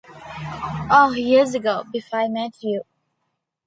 Oh, years ago; before I met you.